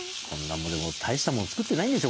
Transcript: でも大したもん作ってないんですよ